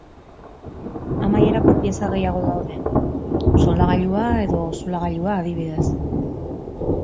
Amaierako pieza gehiago daude, soldagailua edo zulagailua adibidez.